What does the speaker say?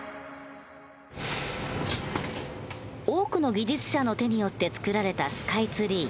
多くの技術者の手によって造られたスカイツリー。